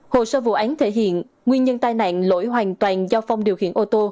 hồ sơ vụ án thể hiện nguyên nhân tai nạn lỗi hoàn toàn do phong điều khiển ô tô